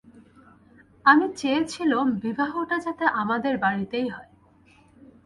আমি চেয়েছিলুম, বিবাহটা যাতে আমাদের বাড়িতেই হয়।